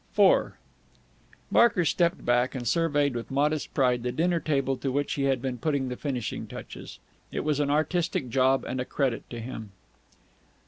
IV Barker stepped back and surveyed with modest pride the dinner table to which he had been putting the finishing touches. It was an artistic job and a credit to him.